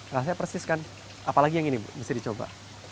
rasanya persis kan apalagi yang ini mesti dicoba